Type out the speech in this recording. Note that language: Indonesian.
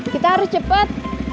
kita harus cepet